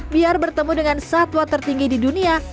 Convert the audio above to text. biar bertemu dengan satwa tertinggi di dunia